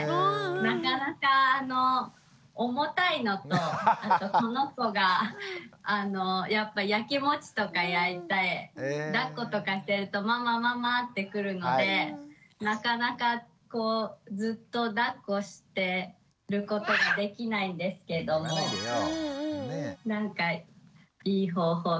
なかなかあの重たいのとこの子がやっぱやきもちとかやいてだっことかしてるとママママって来るのでなかなかこうずっとだっこしてることもできないんですけどもなんかいい方法とかないかなと思って。